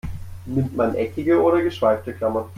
Nimmt man eckige oder geschweifte Klammern?